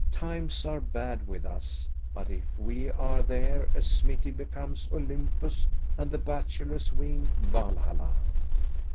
Times are bad with us, but if we are there a smithy becomes Olympus and the bachelors' wing Valhalla.